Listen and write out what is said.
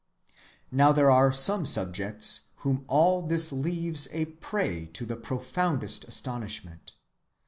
(79) Now there are some subjects whom all this leaves a prey to the profoundest astonishment.